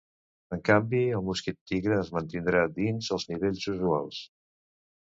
En canvi, el mosquit tigre es mantindrà dins els nivells usuals.